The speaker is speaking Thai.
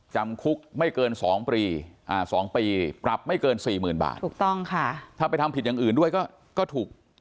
จำคุกไม่เกิน๒ปี๒ปีปรับไม่เกิน๔๐๐๐บาทถูกต้องค่ะถ้าไปทำผิดอย่างอื่นด้วยก็ถูก